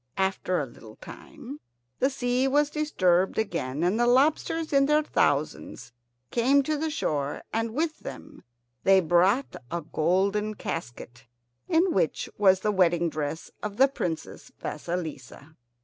After a little time the sea was disturbed again, and the lobsters in their thousands came to the shore, and with them they brought a golden casket in which was the wedding dress of the Princess Vasilissa.